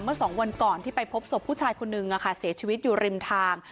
สองวันก่อนที่ไปพบศพผู้ชายคนนึงเสียชีวิตอยู่ริมทาง